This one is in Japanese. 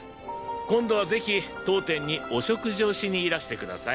今度はぜひ当店にお食事をしにいらしてください。